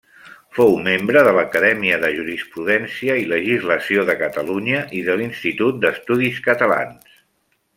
Fou membre de l'Acadèmia de Jurisprudència i Legislació de Catalunya i de l'Institut d'Estudis Catalans.